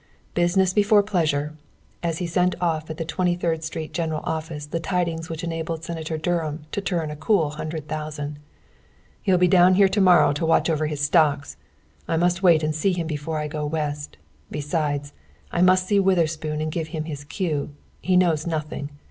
"Business before pleasure!" as he sent off at the Twenty third Street general office the tidings which enabled Senator Durham to turn a cool hundred thousand. "He'll be down here to morrow to watch over his stocks! I must wait and see him before I go West. Besides, I must see Witherspoon and give him his cue. He knows nothing!